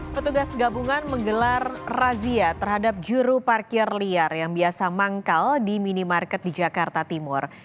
petugas gabungan menggelar razia terhadap juru parkir liar yang biasa manggal di minimarket di jakarta timur